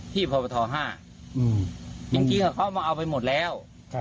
ที่พบ๕เมื่อกี้ก็เค้ามาเอาไปหมดแล้ว